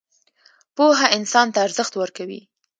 پوهه انسان ته ارزښت ورکوي